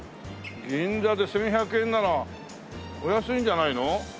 銀座で１１００円ならお安いんじゃないの？